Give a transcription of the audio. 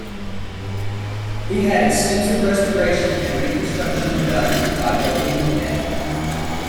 He had extensive restoration and reconstruction done by Wm.